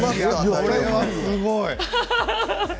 それはすごい。